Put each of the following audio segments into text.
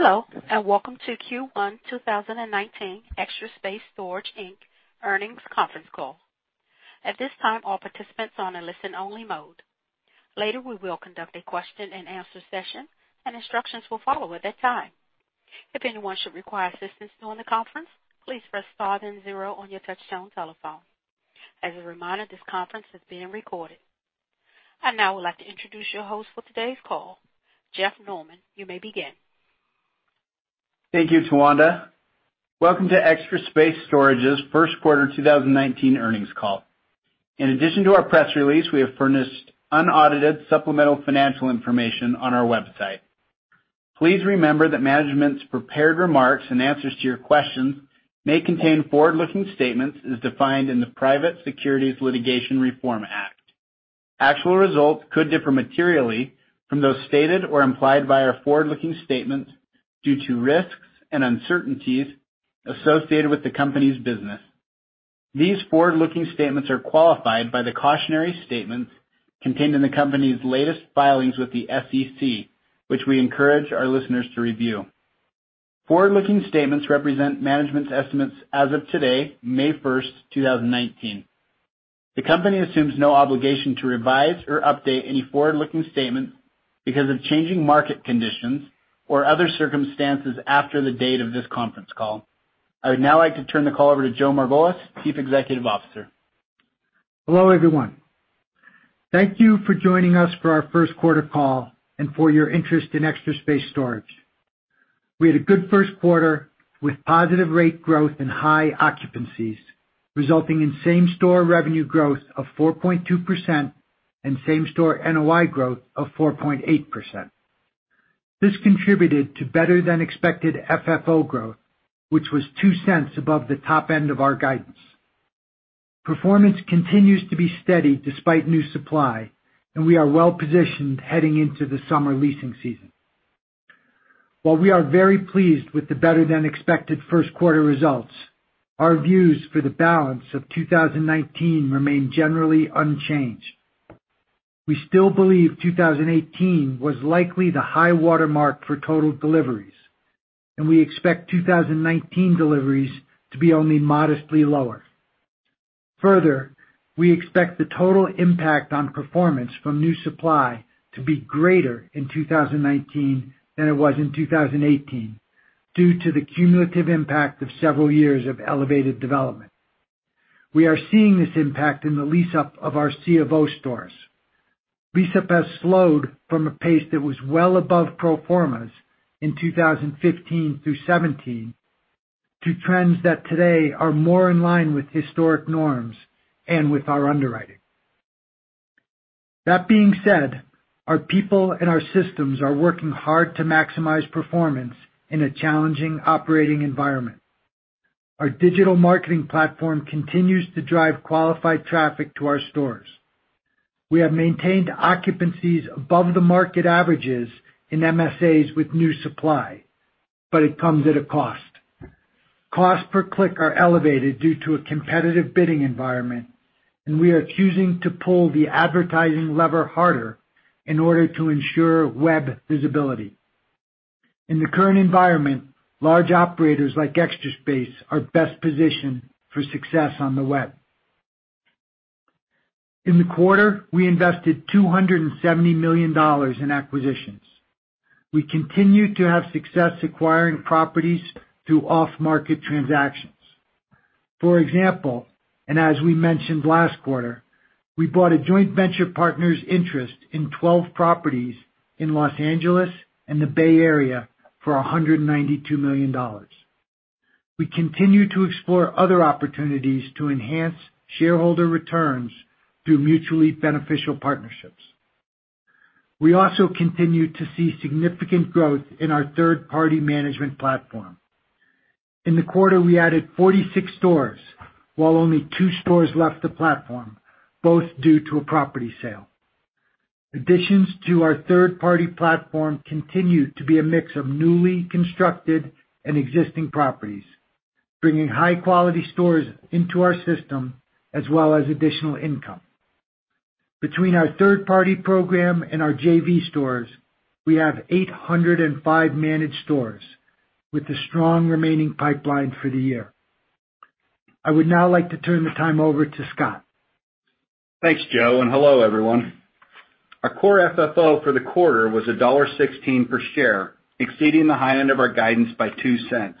Hello, and welcome to Q1 2019 Extra Space Storage Inc. earnings conference call. At this time, all participants are on a listen-only mode. Later we will conduct a question and answer session, and instructions will follow at that time. If anyone should require assistance during the conference, please press five and zero on your touchtone telephone. As a reminder, this conference is being recorded. I now would like to introduce your host for today's call. Jeff Norman, you may begin. Thank you, Tawanda. Welcome to Extra Space Storage's first quarter 2019 earnings call. In addition to our press release, we have furnished unaudited supplemental financial information on our website. Please remember that management's prepared remarks and answers to your questions may contain forward-looking statements as defined in the Private Securities Litigation Reform Act. Actual results could differ materially from those stated or implied by our forward-looking statements due to risks and uncertainties associated with the company's business. These forward-looking statements are qualified by the cautionary statements contained in the company's latest filings with the SEC, which we encourage our listeners to review. Forward-looking statements represent management's estimates as of today, May 1st, 2019. The company assumes no obligation to revise or update any forward-looking statements because of changing market conditions or other circumstances after the date of this conference call. I would now like to turn the call over to Joe Margolis, Chief Executive Officer. Hello, everyone. Thank you for joining us for our first quarter call and for your interest in Extra Space Storage. We had a good first quarter with positive rate growth and high occupancies, resulting in same-store revenue growth of 4.2% and same-store NOI growth of 4.8%. This contributed to better than expected FFO growth, which was $0.02 above the top end of our guidance. Performance continues to be steady despite new supply, and we are well-positioned heading into the summer leasing season. While we are very pleased with the better than expected first quarter results, our views for the balance of 2019 remain generally unchanged. We still believe 2018 was likely the high watermark for total deliveries, and we expect 2019 deliveries to be only modestly lower. Further, we expect the total impact on performance from new supply to be greater in 2019 than it was in 2018 due to the cumulative impact of several years of elevated development. We are seeing this impact in the lease-up of our C of O stores. Lease-up has slowed from a pace that was well above pro formas in 2015 through 2017 to trends that today are more in line with historic norms and with our underwriting. That being said, our people and our systems are working hard to maximize performance in a challenging operating environment. Our digital marketing platform continues to drive qualified traffic to our stores. We have maintained occupancies above the market averages in MSAs with new supply. It comes at a cost. cost per click are elevated due to a competitive bidding environment. We are choosing to pull the advertising lever harder in order to ensure web visibility. In the current environment, large operators like Extra Space are best positioned for success on the web. In the quarter, we invested $270 million in acquisitions. We continue to have success acquiring properties through off-market transactions. For example, as we mentioned last quarter, we bought a joint venture partner's interest in 12 properties in Los Angeles and the Bay Area for $192 million. We continue to explore other opportunities to enhance shareholder returns through mutually beneficial partnerships. We also continue to see significant growth in our third-party management platform. In the quarter, we added 46 stores, while only two stores left the platform, both due to a property sale. Additions to our third-party platform continue to be a mix of newly constructed and existing properties, bringing high-quality stores into our system, as well as additional income. Between our third-party program and our JV stores, we have 805 managed stores with a strong remaining pipeline for the year. I would now like to turn the time over to Scott. Thanks, Joe, and hello, everyone. Our core FFO for the quarter was $1.16 per share, exceeding the high end of our guidance by $0.02.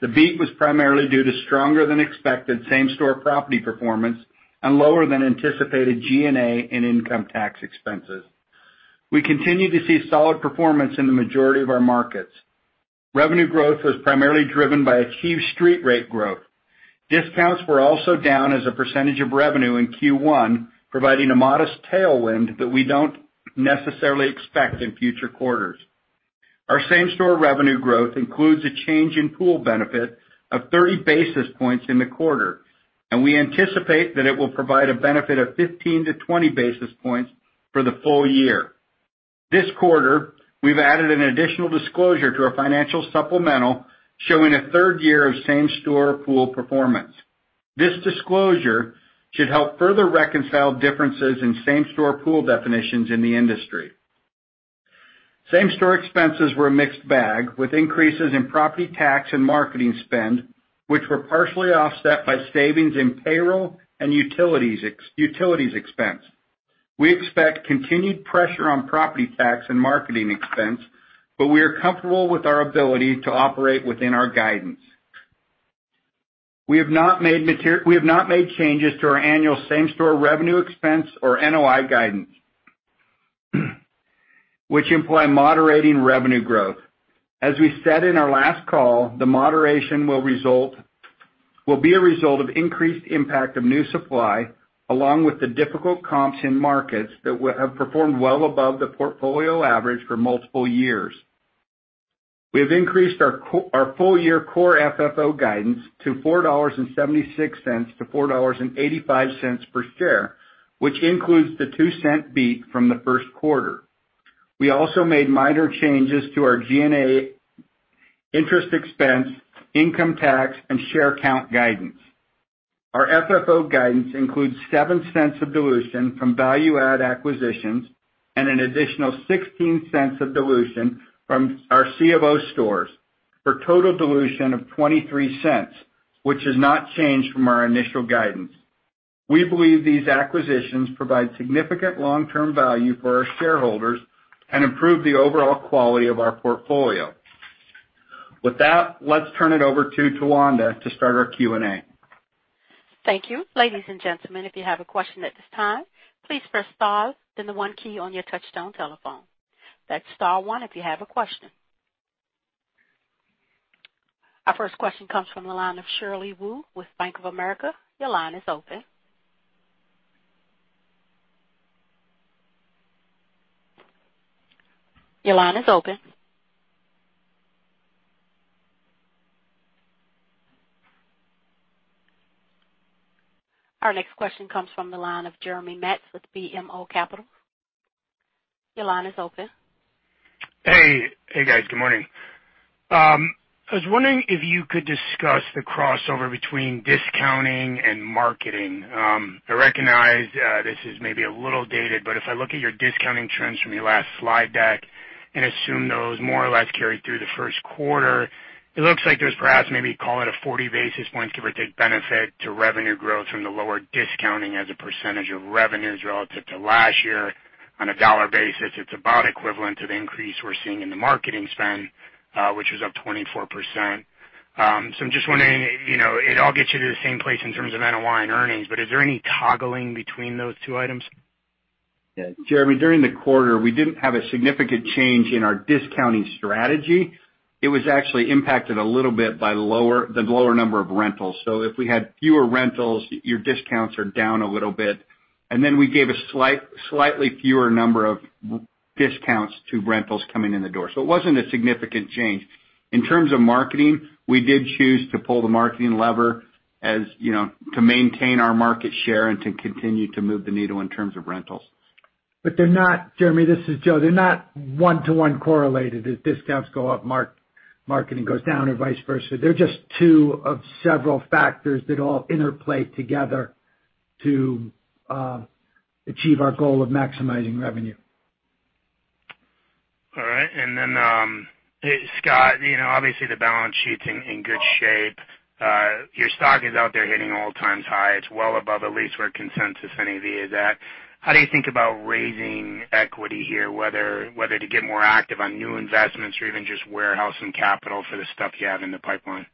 The beat was primarily due to stronger than expected same-store property performance and lower than anticipated G&A and income tax expenses. We continue to see solid performance in the majority of our markets. Revenue growth was primarily driven by a key street rate growth. Discounts were also down as a percentage of revenue in Q1, providing a modest tailwind that we don't necessarily expect in future quarters. Our same-store revenue growth includes a change in pool benefit of 30 basis points in the quarter. We anticipate that it will provide a benefit of 15 to 20 basis points for the full year. This quarter, we've added an additional disclosure to our financial supplemental showing a third year of same-store pool performance This disclosure should help further reconcile differences in same-store pool definitions in the industry. Same-store expenses were a mixed bag, with increases in property tax and marketing spend, which were partially offset by savings in payroll and utilities expense. We expect continued pressure on property tax and marketing expense, but we are comfortable with our ability to operate within our guidance. We have not made changes to our annual same-store revenue expense or NOI guidance, which imply moderating revenue growth. As we said in our last call, the moderation will be a result of increased impact of new supply, along with the difficult comps in markets that have performed well above the portfolio average for multiple years. We have increased our full-year core FFO guidance to $4.76-$4.85 per share, which includes the $0.02 beat from the first quarter. We also made minor changes to our G&A interest expense, income tax, and share count guidance. Our FFO guidance includes $0.07 of dilution from value-add acquisitions and an additional $0.16 of dilution from our C of O stores for a total dilution of $0.23, which has not changed from our initial guidance. We believe these acquisitions provide significant long-term value for our shareholders and improve the overall quality of our portfolio. With that, let's turn it over to Tawanda to start our Q&A. Thank you. Ladies and gentlemen, if you have a question at this time, please press star, then the one key on your touchtone telephone. That's star one if you have a question. Our first question comes from the line of Shirley Wu with Bank of America. Your line is open. Your line is open. Our next question comes from the line of Jeremy Metz with BMO Capital. Your line is open. Hey. Hey, guys. Good morning. I was wondering if you could discuss the crossover between discounting and marketing. I recognize this is maybe a little dated, but if I look at your discounting trends from your last slide deck and assume those more or less carry through the first quarter, it looks like there's perhaps maybe, call it a 40 basis points, give or take, benefit to revenue growth from the lower discounting as a percentage of revenues relative to last year. On a dollar basis, it's about equivalent to the increase we're seeing in the marketing spend, which was up 24%. I'm just wondering, it all gets you to the same place in terms of NOI and earnings, but is there any toggling between those two items? Jeremy, during the quarter, we didn't have a significant change in our discounting strategy. It was actually impacted a little bit by the lower number of rentals. If we had fewer rentals, your discounts are down a little bit. We gave a slightly fewer number of discounts to rentals coming in the door. It wasn't a significant change. In terms of marketing, we did choose to pull the marketing lever to maintain our market share and to continue to move the needle in terms of rentals. Jeremy, this is Joe. They're not one-to-one correlated, as discounts go up, marketing goes down and vice versa. They're just two of several factors that all interplay together to achieve our goal of maximizing revenue. All right. Scott, obviously the balance sheet's in good shape. Your stock is out there hitting all-time high. It's well above the lease where consensus, any of you is at. How do you think about raising equity here? Whether to get more active on new investments or even just warehousing capital for the stuff you have in the pipeline?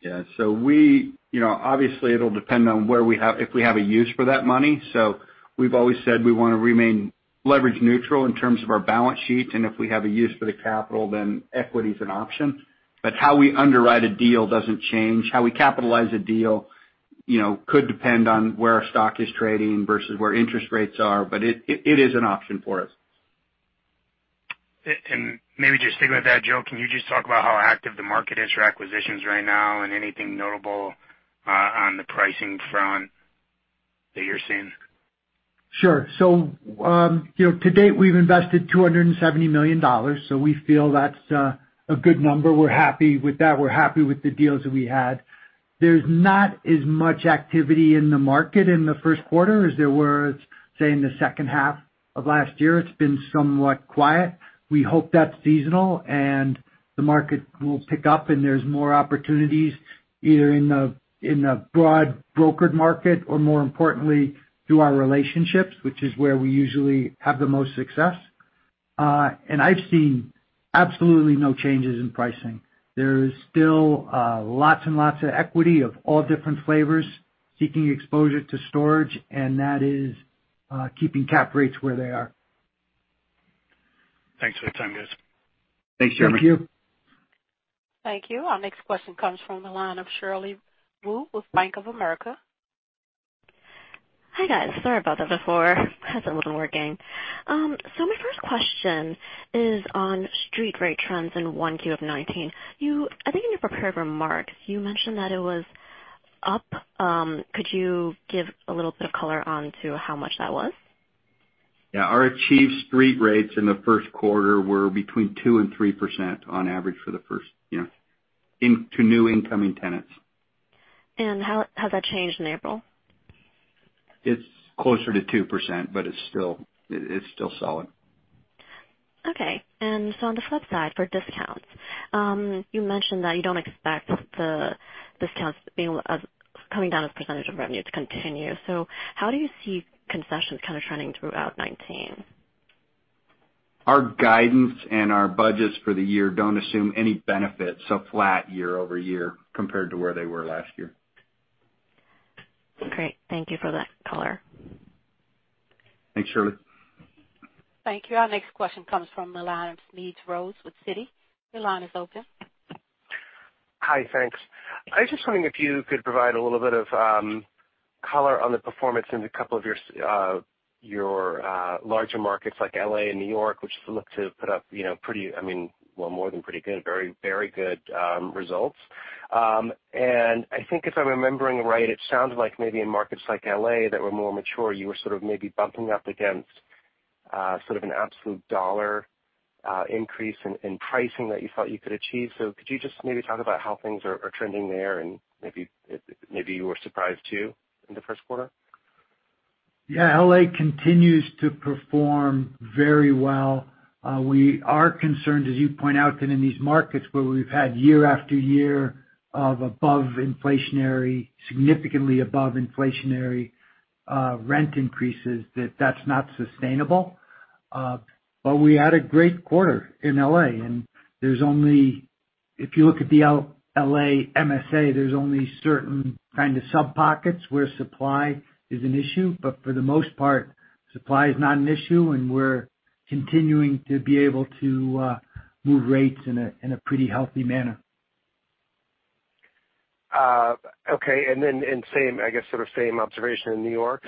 Yeah. Obviously, it'll depend on if we have a use for that money. We've always said we want to remain leverage neutral in terms of our balance sheet, and if we have a use for the capital, then equity's an option. How we underwrite a deal doesn't change. How we capitalize a deal could depend on where our stock is trading versus where interest rates are, but it is an option for us. Maybe just sticking with that, Joe, can you just talk about how active the market is for acquisitions right now and anything notable on the pricing front that you're seeing? Sure. To date, we've invested $270 million. We feel that's a good number. We're happy with that. We're happy with the deals that we had. There's not as much activity in the market in the first quarter as there were, say, in the second half of last year. It's been somewhat quiet. We hope that's seasonal and the market will pick up and there's more opportunities either in the broad brokered market or more importantly, through our relationships, which is where we usually have the most success. I've seen absolutely no changes in pricing. There's still lots and lots of equity of all different flavors seeking exposure to storage, and that is keeping cap rates where they are. Thanks for the time, guys. Thanks, Jeremy. Thank you. Thank you. Our next question comes from the line of Shirley Wu with Bank of America. Hi, guys. Sorry about that before. Had a little working. My first question is on street rate trends in 1Q of 2019. I think in your prepared remarks, you mentioned that it was up. Could you give a little bit of color onto how much that was? Yeah. Our achieved street rates in the first quarter were between 2% and 3% on average to new incoming tenants. How has that changed in April? It's closer to 2%, but it's still solid. Okay. On the flip side for discounts, you mentioned that you don't expect the discounts coming down as % of revenue to continue. How do you see concessions kind of trending throughout 2019? Our guidance and our budgets for the year don't assume any benefit. Flat year-over-year compared to where they were last year. Great. Thank you for that color. Thanks, Shirley. Thank you. Our next question comes from the line of Smedes Rose with Citi. Your line is open. Hi. Thanks. I was just wondering if you could provide a little bit of color on the performance in a couple of your larger markets like L.A. and New York, which look to put up pretty, well, more than pretty good, very good results. I think if I'm remembering right, it sounds like maybe in markets like L.A. that were more mature, you were sort of maybe bumping up against sort of an absolute dollar increase in pricing that you thought you could achieve. Could you just maybe talk about how things are trending there and maybe you were surprised too in the first quarter? Yeah. L.A. continues to perform very well. We are concerned, as you point out, that in these markets where we've had year after year of above inflationary, significantly above inflationary rent increases, that that's not sustainable. We had a great quarter in L.A. and there's only, if you look at the L.A. MSA, there's only certain kind of sub-pockets where supply is an issue. For the most part, supply is not an issue and we're continuing to be able to move rates in a pretty healthy manner. Okay. I guess sort of same observation in New York?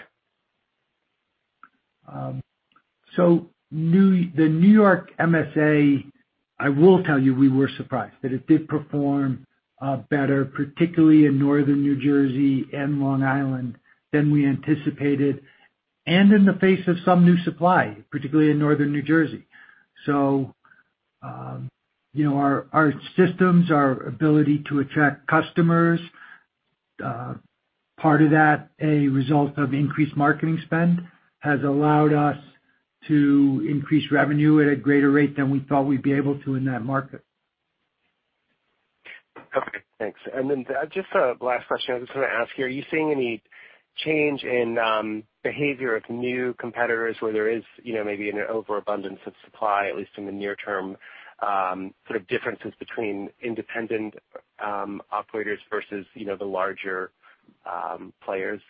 The New York MSA, I will tell you, we were surprised that it did perform better, particularly in northern New Jersey and Long Island than we anticipated. In the face of some new supply, particularly in northern New Jersey. Our systems, our ability to attract customers, part of that a result of increased marketing spend, has allowed us to increase revenue at a greater rate than we thought we'd be able to in that market. Okay, thanks. Just a last question I just want to ask here. Are you seeing any change in behavior of new competitors where there is maybe an overabundance of supply, at least in the near term, sort of differences between independent operators versus the larger players?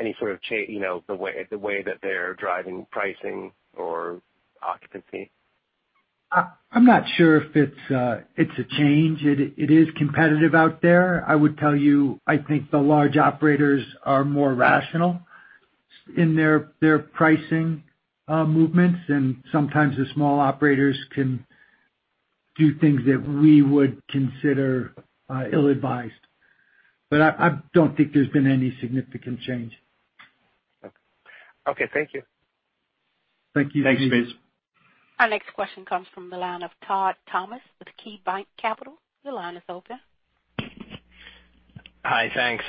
Any sort of change, the way that they're driving pricing or occupancy? I'm not sure if it's a change. It is competitive out there. I would tell you, I think the large operators are more rational in their pricing movements, and sometimes the small operators can do things that we would consider ill-advised. I don't think there's been any significant change. Okay. Thank you. Thank you. Thanks, Smedes. Our next question comes from the line of Todd Thomas with KeyBanc Capital. Your line is open. Hi. Thanks.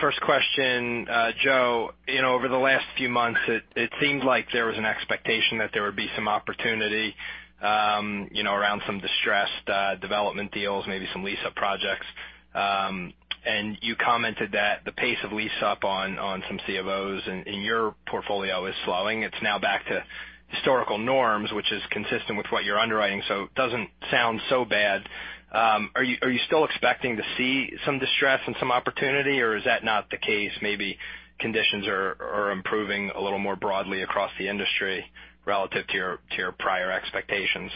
First question, Joe, over the last few months, it seemed like there was an expectation that there would be some opportunity around some distressed development deals, maybe some lease-up projects. You commented that the pace of lease-up on some C of O stores in your portfolio is slowing. It's now back to historical norms, which is consistent with what you're underwriting, so it doesn't sound so bad. Are you still expecting to see some distress and some opportunity, or is that not the case, maybe conditions are improving a little more broadly across the industry relative to your prior expectations?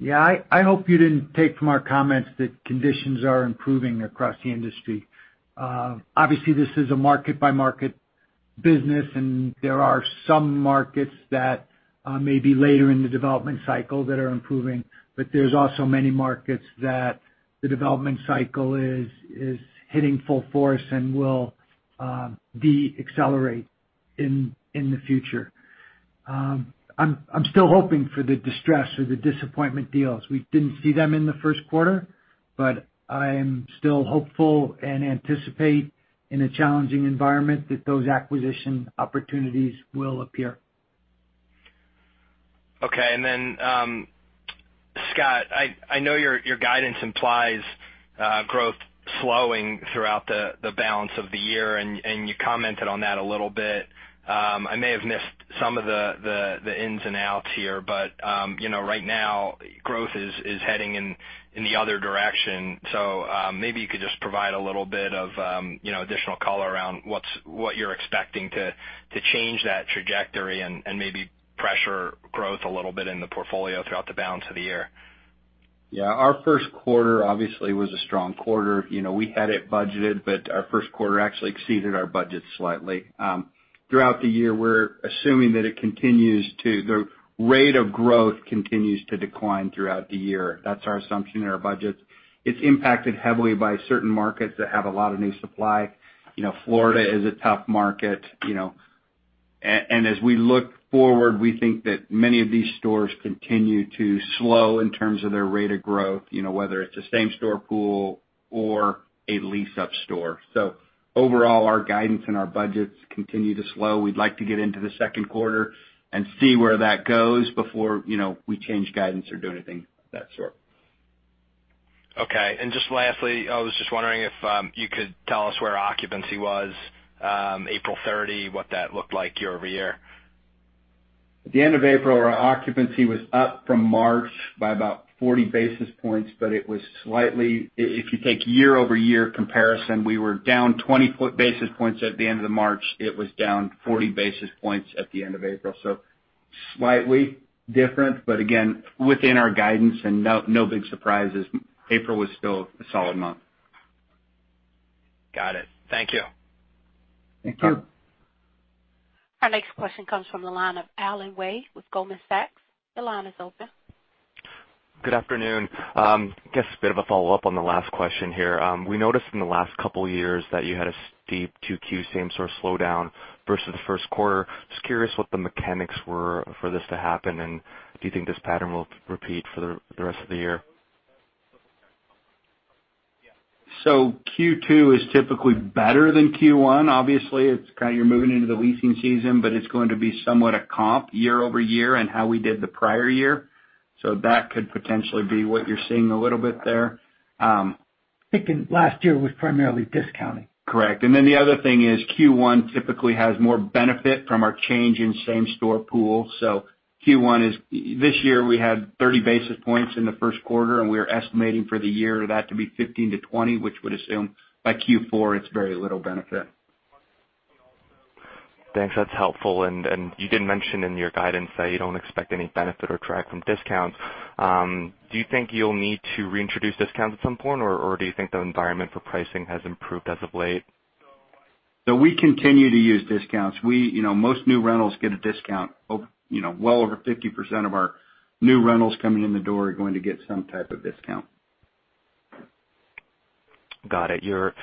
Yeah. I hope you didn't take from our comments that conditions are improving across the industry. Obviously, this is a market-by-market business, and there are some markets that may be later in the development cycle that are improving, but there's also many markets that the development cycle is hitting full force and will de-accelerate in the future. I'm still hoping for the distressed or the disappointment deals. We didn't see them in the first quarter, I am still hopeful and anticipate in a challenging environment that those acquisition opportunities will appear. Okay. Then, Scott, I know your guidance implies growth slowing throughout the balance of the year, and you commented on that a little bit. I may have missed some of the ins and outs here, Right now, growth is heading in the other direction. Maybe you could just provide a little bit of additional color around what you're expecting to change that trajectory and maybe pressure growth a little bit in the portfolio throughout the balance of the year. Yeah. Our first quarter obviously was a strong quarter. Our first quarter actually exceeded our budget slightly. Throughout the year, we're assuming that the rate of growth continues to decline throughout the year. That's our assumption in our budgets. It's impacted heavily by certain markets that have a lot of new supply. Florida is a tough market. As we look forward, we think that many of these stores continue to slow in terms of their rate of growth, whether it's a same-store pool or a lease-up store. Overall, our guidance and our budgets continue to slow. We'd like to get into the second quarter and see where that goes before we change guidance or do anything of that sort. Okay. Just lastly, I was just wondering if you could tell us where occupancy was April 30, what that looked like year-over-year. At the end of April, our occupancy was up from March by about 40 basis points. If you take year-over-year comparison, we were down 20 basis points at the end of March. It was down 40 basis points at the end of April, slightly different, again, within our guidance and no big surprises. April was still a solid month. Got it. Thank you. Thank you. Our next question comes from the line of Alan Way with Goldman Sachs. Your line is open. Good afternoon. I guess a bit of a follow-up on the last question here. We noticed in the last couple years that you had a steep 2Q same store slowdown versus the first quarter. Just curious what the mechanics were for this to happen, and do you think this pattern will repeat for the rest of the year? Q2 is typically better than Q1. Obviously, you're moving into the leasing season, but it's going to be somewhat a comp year-over-year and how we did the prior year. That could potentially be what you're seeing a little bit there. I'm thinking last year was primarily discounting. Correct. The other thing is, Q1 typically has more benefit from our change in same store pool. Q1 this year, we had 30 basis points in the first quarter, and we are estimating for the year that to be 15 to 20, which would assume by Q4, it's very little benefit. Thanks. That's helpful. You did mention in your guidance that you don't expect any benefit or drag from discounts. Do you think you'll need to reintroduce discounts at some point, or do you think the environment for pricing has improved as of late? We continue to use discounts. Most new rentals get a discount. Well over 50% of our new rentals coming in the door are going to get some type of discount. Got it. Your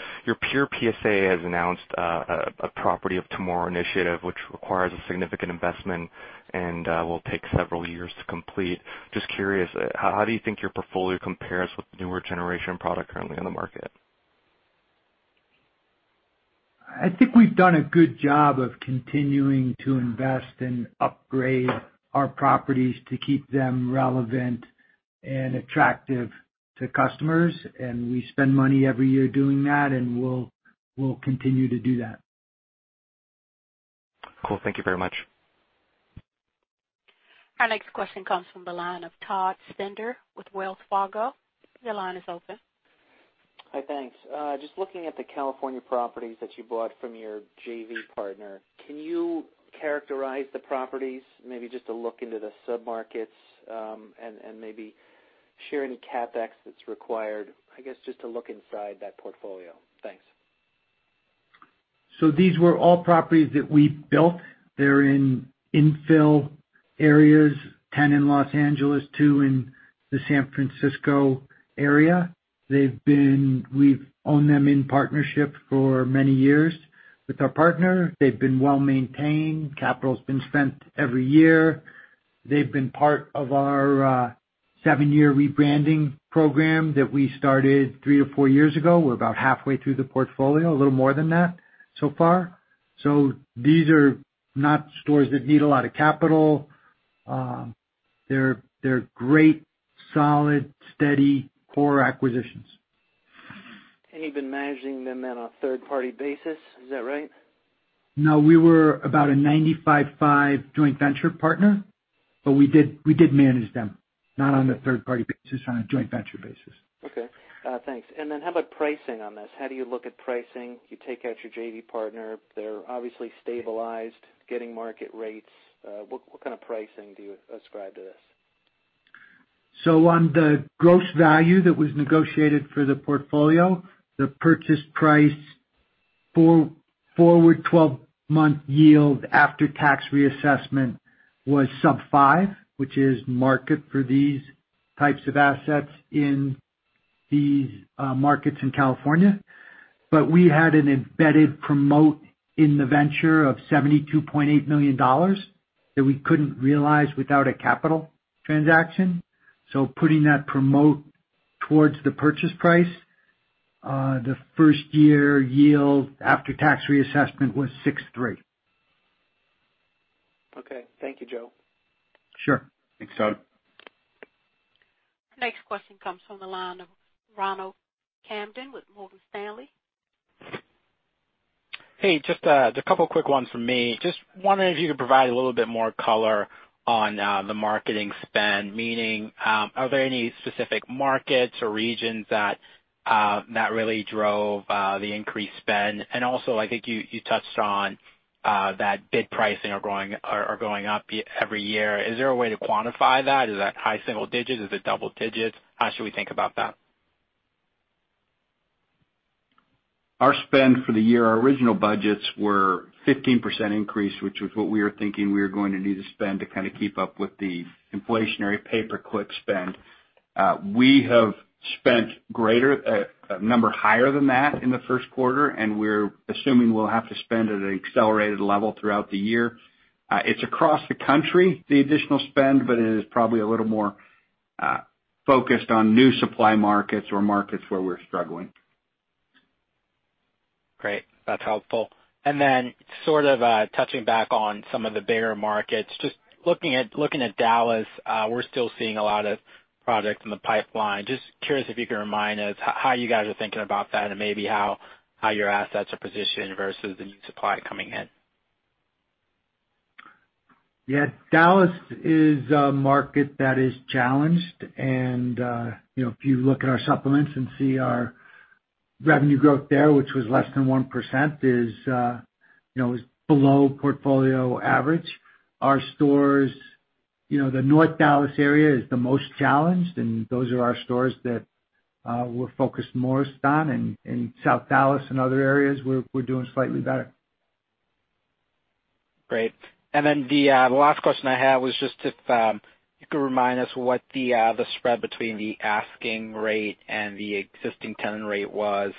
peer, PSA, has announced a Property of Tomorrow initiative, which requires a significant investment and will take several years to complete. Just curious, how do you think your portfolio compares with newer generation product currently on the market? I think we've done a good job of continuing to invest and upgrade our properties to keep them relevant and attractive to customers, and we spend money every year doing that, and we'll continue to do that. Cool. Thank you very much. Our next question comes from the line of Todd Stender with Wells Fargo. Your line is open. Hi. Thanks. Just looking at the California properties that you bought from your JV partner, can you characterize the properties, maybe just a look into the sub-markets, and maybe share any CapEx that's required, I guess, just to look inside that portfolio. Thanks. These were all properties that we built. They're in infill areas, 10 in Los Angeles, two in the San Francisco area. We've owned them in partnership for many years with our partner. They've been well-maintained. Capital's been spent every year. They've been part of our seven-year rebranding program that we started three to four years ago. We're about halfway through the portfolio, a little more than that so far. These are not stores that need a lot of capital. They're great, solid, steady core acquisitions. You've been managing them on a third-party basis, is that right? No, we were about a 95/5 joint venture partner, but we did manage them. Not on a third-party basis, on a joint venture basis. Okay. Thanks. How about pricing on this? How do you look at pricing? You take out your JV partner. They're obviously stabilized, getting market rates. What kind of pricing do you ascribe to this? On the gross value that was negotiated for the portfolio, the purchase price for forward 12-month yield after tax reassessment was sub five, which is market for these types of assets in these markets in California. We had an embedded promote in the venture of $72.8 million that we couldn't realize without a capital transaction. Putting that promote towards the purchase price, the first year yield after tax reassessment was 6.3%. Okay. Thank you, Joe. Sure. Thanks, Todd. Next question comes from the line of Ronald Kamdem with Morgan Stanley. Hey, just a couple quick ones from me. Just wondering if you could provide a little bit more color on the marketing spend, meaning are there any specific markets or regions that really drove the increased spend? Also, I think you touched on that bid pricing are going up every year. Is there a way to quantify that? Is that high single digits? Is it double digits? How should we think about that? Our spend for the year, our original budgets were 15% increase, which was what we were thinking we were going to need to spend to kind of keep up with the inflationary pay per click spend. We have spent a number higher than that in the first quarter, we're assuming we'll have to spend at an accelerated level throughout the year. It's across the country, the additional spend, it is probably a little more Focused on new supply markets or markets where we're struggling. Great. That's helpful. Sort of touching back on some of the bigger markets, just looking at Dallas, we're still seeing a lot of products in the pipeline. Just curious if you could remind us how you guys are thinking about that and maybe how your assets are positioned versus the new supply coming in. Yeah. Dallas is a market that is challenged. If you look at our supplements and see our revenue growth there, which was less than 1%, is below portfolio average. Our stores, the North Dallas area is the most challenged, and those are our stores that we're focused most on. In South Dallas and other areas, we're doing slightly better. Great. The last question I had was just if you could remind us what the spread between the asking rate and the existing tenant rate was,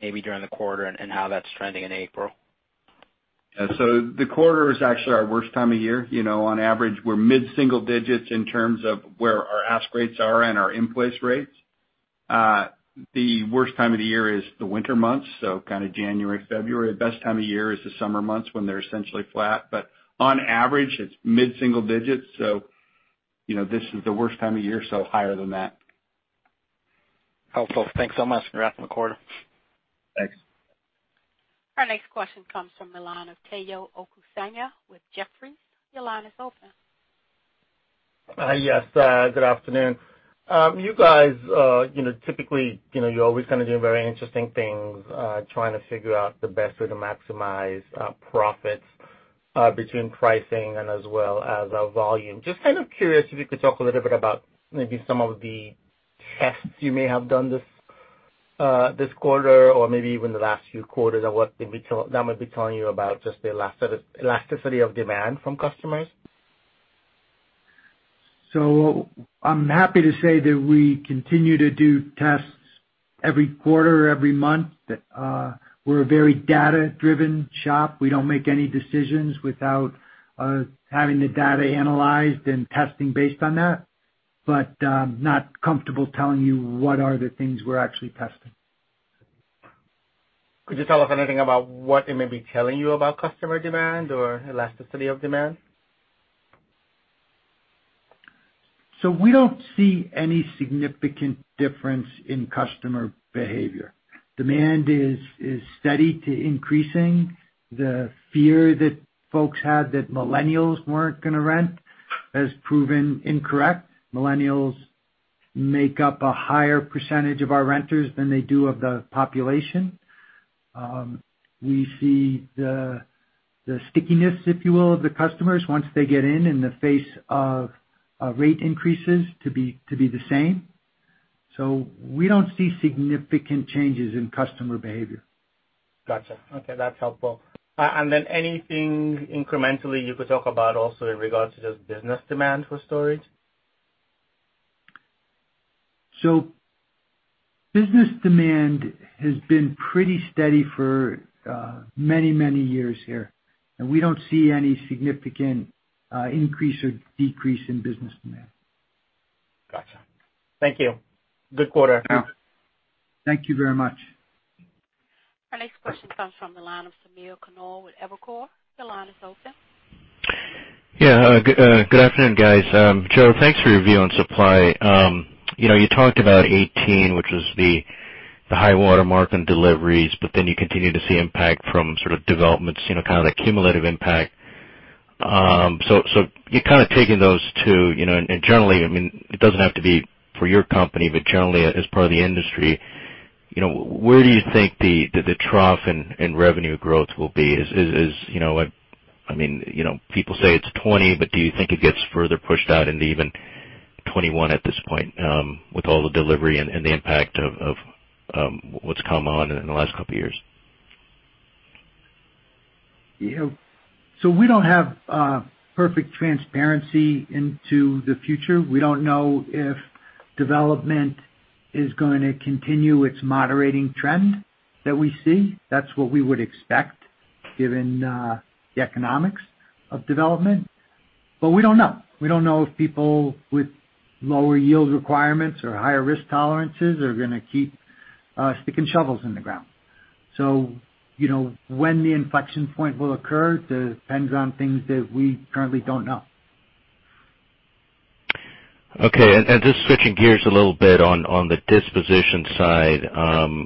maybe during the quarter, and how that's trending in April. The quarter is actually our worst time of year. On average, we're mid-single digits in terms of where our ask rates are and our in-place rates. The worst time of the year is the winter months, so kind of January, February. The best time of year is the summer months when they're essentially flat. On average, it's mid-single digits. This is the worst time of year, so higher than that. Helpful. Thanks so much. Congrats on the quarter. Thanks. Our next question comes from the line of Omotayo Okusanya with Jefferies. Your line is open. Yes. Good afternoon. You guys, typically, you're always kind of doing very interesting things, trying to figure out the best way to maximize profits between pricing and as well as volume. Just kind of curious if you could talk a little bit about maybe some of the tests you may have done this quarter or maybe even the last few quarters, and what that might be telling you about just the elasticity of demand from customers. I'm happy to say that we continue to do tests every quarter, every month. We're a very data-driven shop. We don't make any decisions without having the data analyzed and testing based on that, I'm not comfortable telling you what are the things we're actually testing. Could you tell us anything about what it may be telling you about customer demand or elasticity of demand? We don't see any significant difference in customer behavior. Demand is steady to increasing. The fear that folks had that millennials weren't going to rent has proven incorrect. Millennials make up a higher percentage of our renters than they do of the population. We see the stickiness, if you will, of the customers once they get in the face of rate increases to be the same. We don't see significant changes in customer behavior. Got you. Okay. That's helpful. Anything incrementally you could talk about also in regards to just business demand for storage? Business demand has been pretty steady for many, many years here, and we don't see any significant increase or decrease in business demand. Got you. Thank you. Good quarter. Thank you very much. Our next question comes from the line of Samir Khanal with Evercore. Your line is open. Good afternoon, guys. Joe, thanks for your view on supply. You talked about 2018, which was the high water mark on deliveries, but then you continue to see impact from sort of developments, kind of the cumulative impact. You kind of taking those two, generally, I mean, it doesn't have to be for your company, but generally as part of the industry, where do you think the trough in revenue growth will be? I mean, people say it's 2020, but do you think it gets further pushed out into even 2021 at this point with all the delivery and the impact of what's come on in the last couple of years? We don't have perfect transparency into the future. We don't know if development is going to continue its moderating trend that we see. That's what we would expect given the economics of development. We don't know. We don't know if people with lower yield requirements or higher risk tolerances are gonna keep sticking shovels in the ground. When the inflection point will occur depends on things that we currently don't know. Okay. Just switching gears a little bit on the disposition side,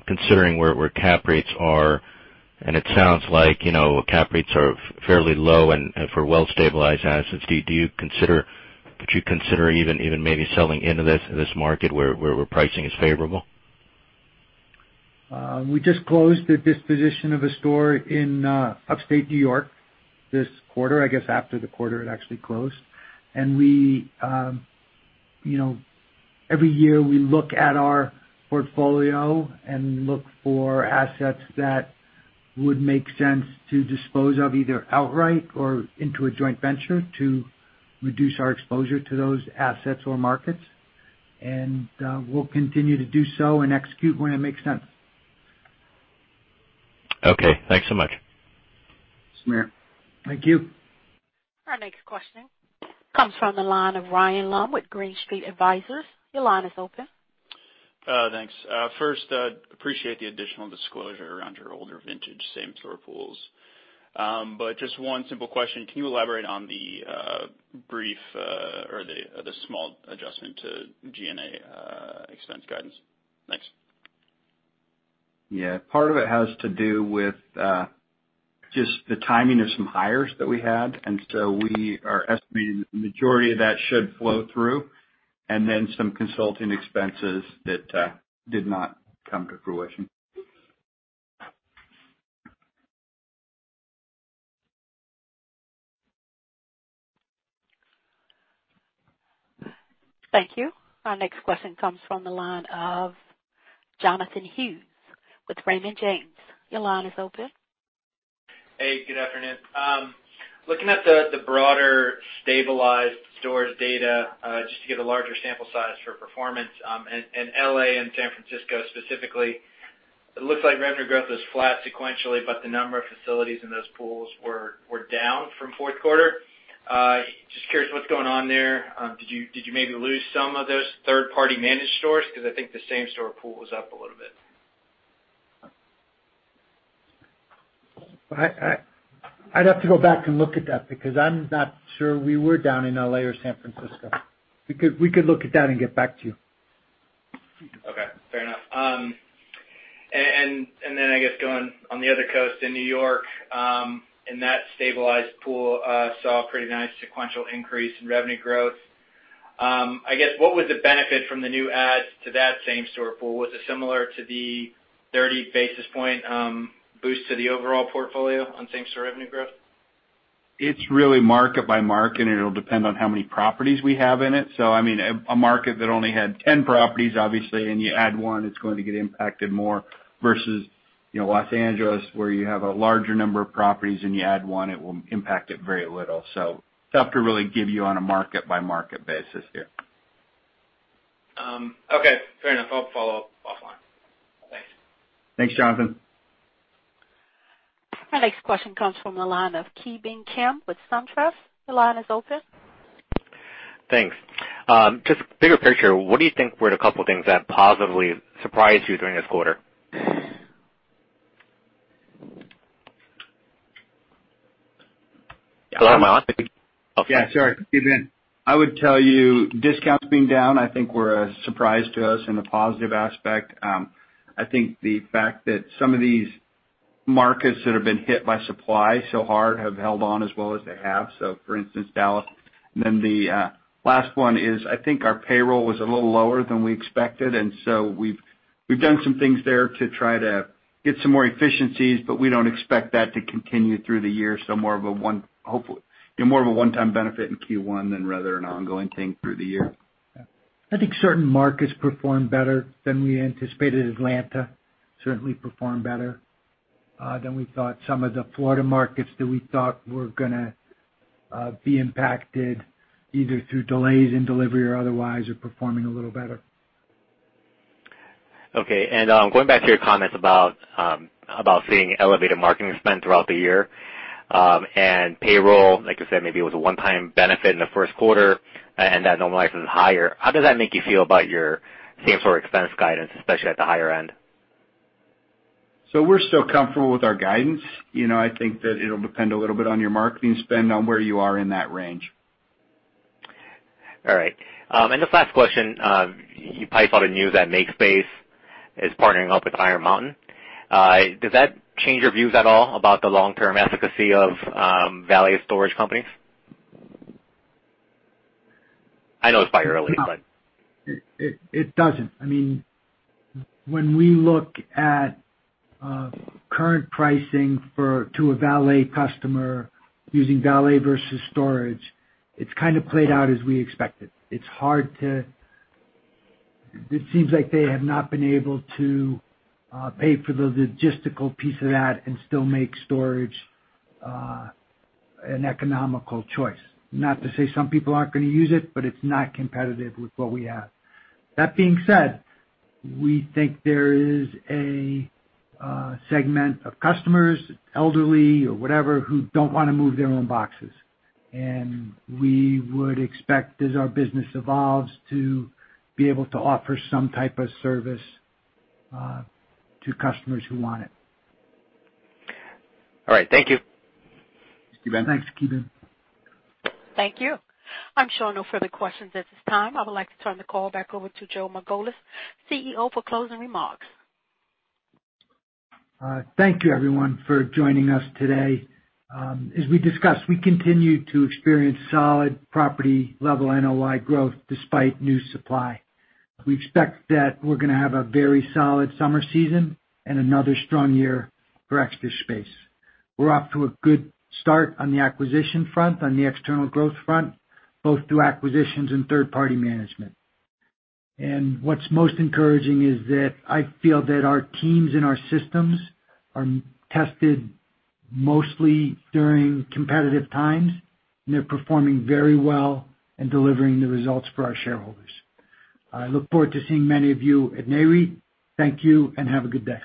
considering where cap rates are, and it sounds like cap rates are fairly low and for well-stabilized assets, could you consider even maybe selling into this market where pricing is favorable? We just closed the disposition of a store in Upstate New York this quarter. I guess after the quarter, it actually closed. Every year, we look at our portfolio and look for assets that would make sense to dispose of, either outright or into a joint venture to reduce our exposure to those assets or markets. We'll continue to do so and execute when it makes sense. Okay, thanks so much. Same here. Thank you. Our next question comes from the line of Ryan Lumb with Green Street Advisors. Your line is open. Thanks. First, appreciate the additional disclosure around your older vintage same-store pools. Just one simple question, can you elaborate on the brief or the small adjustment to G&A expense guidance? Thanks. Yeah. Part of it has to do with just the timing of some hires that we had, and so we are estimating the majority of that should flow through, and then some consulting expenses that did not come to fruition. Thank you. Our next question comes from the line of Jonathan Hughes with Raymond James. Your line is open. Hey, good afternoon. Looking at the broader stabilized stores data, just to get a larger sample size for performance, in L.A. and San Francisco specifically, it looks like revenue growth is flat sequentially, but the number of facilities in those pools were down from fourth quarter. Just curious what's going on there. Did you maybe lose some of those third-party managed stores? Because I think the same-store pool was up a little bit. I'd have to go back and look at that, because I'm not sure we were down in L.A. or San Francisco. We could look at that and get back to you. Okay, fair enough. I guess going on the other coast in N.Y., in that stabilized pool, saw a pretty nice sequential increase in revenue growth. I guess, what was the benefit from the new adds to that same-store pool? Was it similar to the 30 basis point boost to the overall portfolio on same-store revenue growth? It's really market by market, and it'll depend on how many properties we have in it. I mean, a market that only had 10 properties obviously, and you add one, it's going to get impacted more versus L.A., where you have a larger number of properties and you add one, it will impact it very little. Have to really give you on a market-by-market basis there. Okay, fair enough. I'll follow up offline. Thanks. Thanks, Jonathan. Our next question comes from the line of Ki Bin Kim with SunTrust. Your line is open. Thanks. Just bigger picture, what do you think were the couple things that positively surprised you during this quarter? Hello, am I on? Yeah, sorry. You can. I would tell you, discounts being down, I think were a surprise to us in a positive aspect. I think the fact that some of these markets that have been hit by supply so hard have held on as well as they have. For instance, Dallas. The last one is, I think our payroll was a little lower than we expected, and so we've done some things there to try to get some more efficiencies, but we don't expect that to continue through the year. More of a one-time benefit in Q1 than rather an ongoing thing through the year. I think certain markets performed better than we anticipated. Atlanta certainly performed better than we thought. Some of the Florida markets that we thought were going to be impacted either through delays in delivery or otherwise, are performing a little better. Okay. Going back to your comments about seeing elevated marketing spend throughout the year, and payroll, like you said, maybe it was a one-time benefit in the first quarter and that normalizes higher. How does that make you feel about your same-store expense guidance, especially at the higher end? We're still comfortable with our guidance. I think that it'll depend a little bit on your marketing spend on where you are in that range. All right. This last question, you probably saw the news that MakeSpace is partnering up with Iron Mountain. Does that change your views at all about the long-term efficacy of valet storage companies? I know it's probably early, but It doesn't. When we look at current pricing to a valet customer using valet versus storage, it's kind of played out as we expected. It seems like they have not been able to pay for the logistical piece of that and still make storage an economical choice. Not to say some people aren't going to use it, but it's not competitive with what we have. That being said, we think there is a segment of customers, elderly or whatever, who don't want to move their own boxes. We would expect as our business evolves, to be able to offer some type of service to customers who want it. All right. Thank you. Thanks, Ki Bin. Thanks, Ki Bin. Thank you. I'm showing no further questions at this time. I would like to turn the call back over to Joe Margolis, CEO, for closing remarks. Thank you everyone for joining us today. As we discussed, we continue to experience solid property-level NOI growth despite new supply. We expect that we're going to have a very solid summer season and another strong year for Extra Space. We're off to a good start on the acquisition front, on the external growth front, both through acquisitions and third-party management. What's most encouraging is that I feel that our teams and our systems are tested mostly during competitive times, and they're performing very well and delivering the results for our shareholders. I look forward to seeing many of you at Nareit. Thank you and have a good day.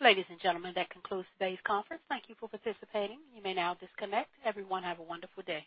Ladies and gentlemen, that concludes today's conference. Thank you for participating. You may now disconnect. Everyone have a wonderful day.